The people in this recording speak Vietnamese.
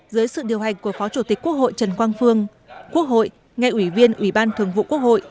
dưới sự điều hành của phó chủ tịch quốc hội trần quang phương quốc hội nghe ủy viên ủy ban thường vụ quốc hội